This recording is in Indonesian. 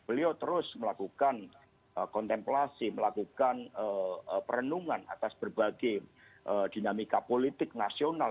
beliau terus melakukan kontemplasi melakukan perenungan atas berbagai dinamika politik nasional